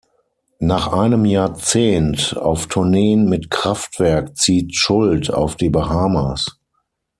Nach einem Jahrzehnt auf Tourneen mit Kraftwerk zieht Schult auf die Bahamas.